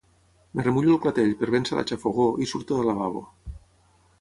Em remullo el clatell per vèncer la xafogor i surto del lavabo.